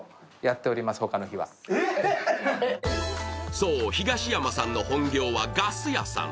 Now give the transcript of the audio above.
そう、東山さんの本業はガス屋さん。